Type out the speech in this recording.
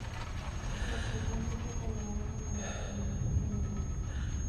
Su actuación fue catalogada como "decepcionante" por los medios.